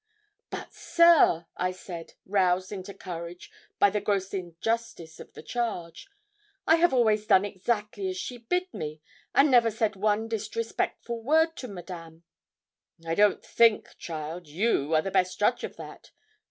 'But sir,' I said, roused into courage by the gross injustice of the charge, 'I have always done exactly as she bid me, and never said one disrespectful word to Madame.' 'I don't think, child, you are the best judge of that.